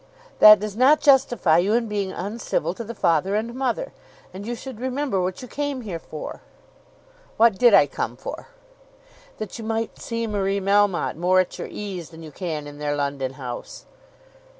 "That does not justify you in being uncivil to the father and mother. And you should remember what you came here for." "What did I come for?" "That you might see Marie Melmotte more at your ease than you can in their London house."